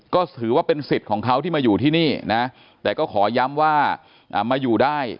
ก็ถือว่าเป็นสิทธิ์ของเขาที่มาอยู่ที่นี่นะแต่ก็ขอย้ำว่ามาอยู่ได้